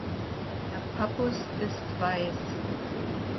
Der Pappus ist weiß.